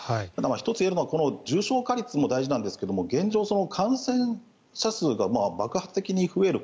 １つ言えるのは重症化率も大事なんですけども現状、感染者数が爆発的に増える